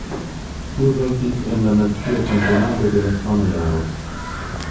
Tiu venkis en la nacia ĉampionado de la sama jaro.